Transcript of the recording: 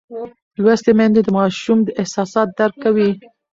لوستې میندې د ماشوم احساسات درک کوي.